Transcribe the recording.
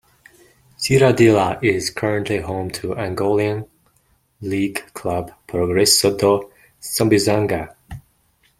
Cidadela is currently home to Angolan league club Progresso do Sambizanga.